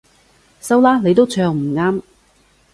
收啦，你都唱唔啱